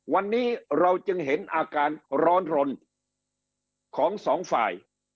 วันนี้เราจึงเห็นอาการร้อนรนของสองฝ่าย